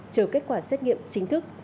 chờ kết quả xét nghiệm chính thức